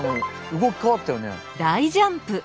動き変わったよね？